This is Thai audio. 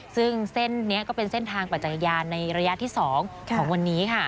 ซึ่งเส้นนี้ก็เป็นเส้นทางปัจจักรยานในระยะที่๒ของวันนี้ค่ะ